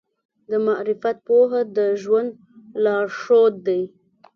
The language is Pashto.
د معرفت پوهه د ژوند لارښود دی.